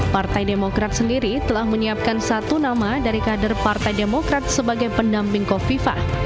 partai demokrat sendiri telah menyiapkan satu nama dari kader partai demokrat sebagai pendamping kofifa